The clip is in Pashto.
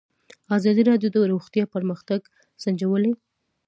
ازادي راډیو د روغتیا پرمختګ سنجولی.